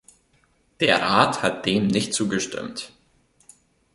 Der Rat hat dem nicht zugestimmt.